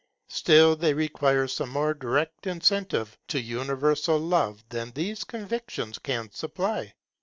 Still they require some more direct incentive to universal Love than these convictions can supply.